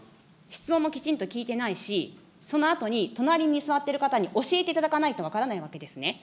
質問もきちんと聞いてないし、そのあとに隣に座っている方に教えていただかないと分からないわけですね。